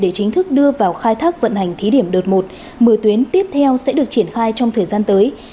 để chính thức đưa vào khai thác vận hành thí điểm đợt một một mươi tuyến tiếp theo sẽ được triển khai trong thời gian tới